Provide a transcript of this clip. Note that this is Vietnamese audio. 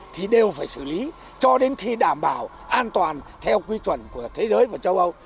thì đều phải xử lý cho đến khi đảm bảo an toàn theo quy chuẩn của thế giới và châu âu